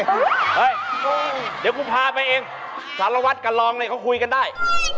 เฮ้ยเดี๋ยวกูพาไปเองสารวัตรกับรองเนี่ยเขาคุยกันได้